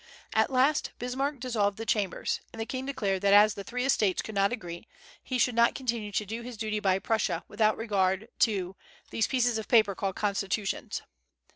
At last, Bismarck dissolved the Chambers, and the king declared that as the Three Estates could not agree, he should continue to do his duty by Prussia without regard to "these pieces of paper called constitutions."